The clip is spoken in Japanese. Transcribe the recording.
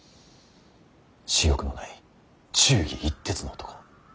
私欲のない忠義一徹の男。